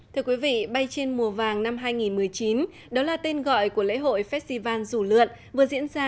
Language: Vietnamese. thưa quý vị bay trên mùa vàng năm hai nghìn một mươi chín đó là tên gọi của lễ hội festival rủ lượn vừa diễn ra